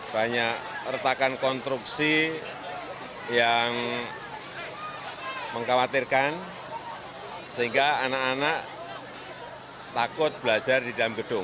banyak retakan konstruksi yang mengkhawatirkan sehingga anak anak takut belajar di dalam gedung